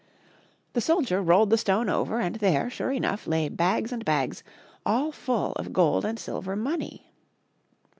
The soldier rolled the stone over, and there, sure enough, lay bags and bags, all full of gold and silver money.